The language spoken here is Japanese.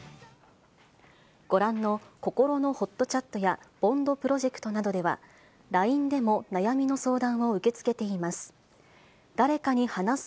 ご覧のこころのほっとチャットやＢＯＮＤプロジェクトなどでは、ＬＩＮＥでも悩みの相談を受け付けています。